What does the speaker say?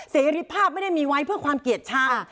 เสรีภาพไม่ได้มีไว้เพื่อความเกลียดชัง